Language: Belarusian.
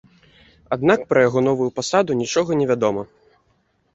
Аднак пра яго новую пасаду нічога невядома.